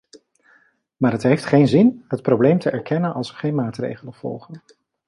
Maar het heeft geen zin het probleem te erkennen als er geen maatregelen volgen.